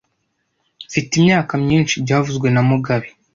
Mfite imyaka myinshi byavuzwe na mugabe